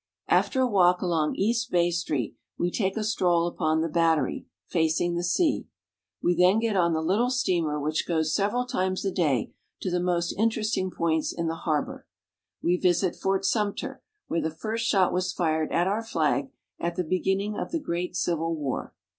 After a walk along East Bay Street, we take a stroll upon the Battery, facing the sea. We then get on the little steamer which goes several times a day to the most interesting points in the harbor. We visit Fort Sumter, where the first shot was fired at our flag at the beginning of the great Civil War.